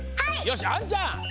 よしあんちゃん！